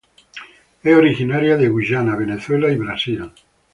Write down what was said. Es originaria de Guyana, Venezuela y Brasil.